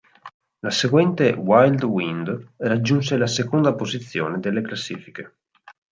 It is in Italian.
La seguente "Wild Wind" raggiunse la seconda posizione delle classifiche.